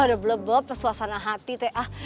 ada blabob pesuasana hati teh